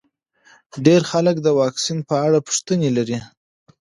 ډېر خلک د واکسین په اړه پوښتنې لري.